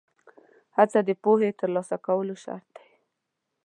هڅه د پوهې ترلاسه کولو شرط دی.